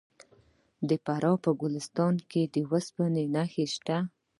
د فراه په ګلستان کې د وسپنې نښې شته.